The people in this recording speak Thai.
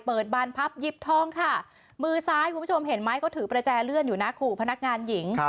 บานพับหยิบทองค่ะมือซ้ายคุณผู้ชมเห็นไหมเขาถือประแจเลื่อนอยู่นะขู่พนักงานหญิง